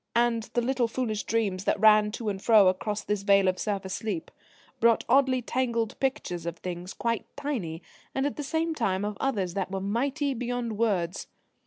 And the little, foolish dreams that ran to and fro across this veil of surface sleep brought oddly tangled pictures of things quite tiny and at the same time of others that were mighty beyond words.